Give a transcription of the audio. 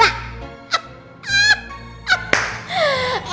hah hah hah